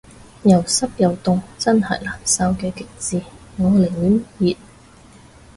有濕又凍真係難受嘅極致，我寧願熱